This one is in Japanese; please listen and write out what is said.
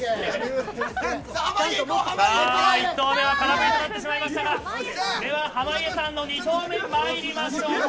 １投目は空振りになってしまいましたが濱家さんの２投目まいりましょうか。